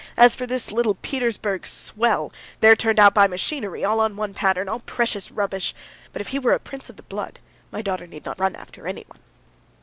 As for this little Petersburg swell, they're turned out by machinery, all on one pattern, and all precious rubbish. But if he were a prince of the blood, my daughter need not run after anyone."